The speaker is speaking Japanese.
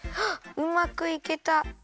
あっうまくいけた！